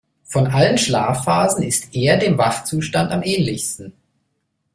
Von allen Schlafphasen ist er dem Wachzustand am ähnlichsten.